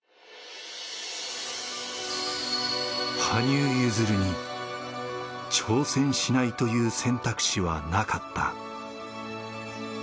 羽生結弦に挑戦しないという選択肢はなかった。